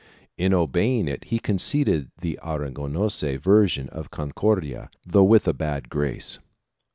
In obeying it, he con ceded the Aragonese version of the Concordia, though with a bad grace.